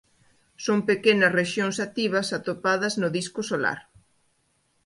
Son pequenas rexións activas atopadas no disco solar.